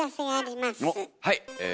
はい。